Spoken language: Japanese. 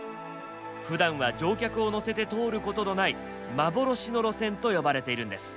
ふだんは乗客を乗せて通ることのない幻の路線と呼ばれているんです。